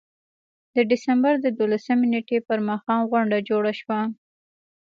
د ډسمبر د دولسمې نېټې پر ماښام غونډه جوړه شوه.